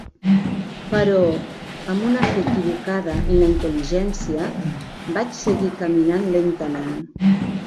Però, amb una fe equivocada en la intel·ligència, vaig seguir caminant lentament.